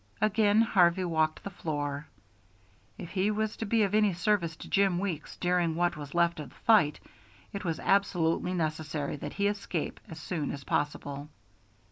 Again Harvey walked the floor. If he was to be of any service to Jim Weeks during what was left of the fight, it was absolutely necessary that he escape as soon as possible.